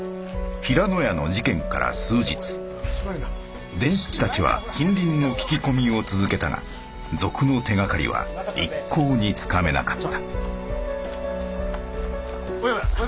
平野屋の事件から数日伝七たちは近隣の聞き込みを続けたが賊の手がかりは一向につかめなかった親分！